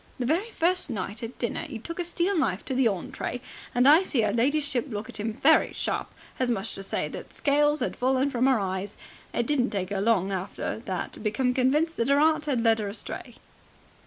The very first night at dinner 'e took a steel knife to the ontray, and I see 'er ladyship look at him very sharp, as much as to say that scales had fallen from 'er eyes. It didn't take 'er long after that to become convinced that 'er 'eart 'ad led 'er astray."